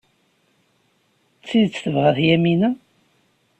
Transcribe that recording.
D tidet tebɣa-t Yamina?